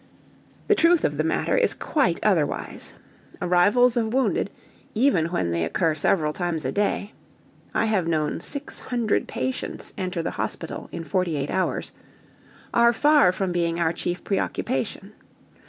The truth of the matter is quite otherwise. Arrivals of wounded, even when they occur several times a day (I have known six hundred patients enter the hospital in forty eight hours), are far from being our chief preoccupation.